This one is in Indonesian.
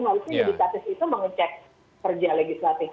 maksudnya legislatif itu mengecek kerja legislatif